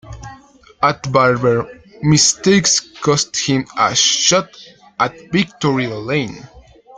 At Barber, mistakes cost him a shot at victory lane.